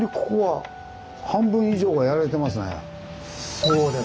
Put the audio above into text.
そうです。